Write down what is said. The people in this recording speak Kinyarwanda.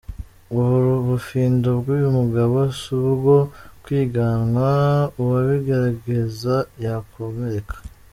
Ubu bufindo bw’uyu mugabo si ubwo kwiganwa, uwabigerageza yakomereka.